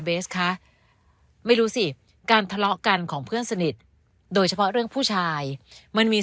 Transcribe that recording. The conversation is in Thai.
เบสคะไม่รู้สิการทะเลาะกันของเพื่อนสนิทโดยเฉพาะเรื่องผู้ชายมันมี